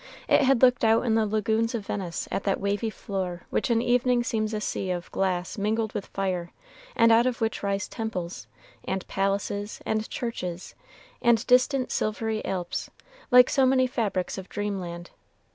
It had looked out in the Lagoons of Venice at that wavy floor which in evening seems a sea of glass mingled with fire, and out of which rise temples, and palaces, and churches, and distant silvery Alps, like so many fabrics of dreamland.